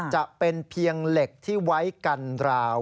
จะเป็นเพียงเหล็กที่ไว้กันราว